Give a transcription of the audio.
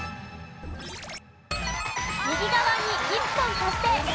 右側に１本足してＳＬ。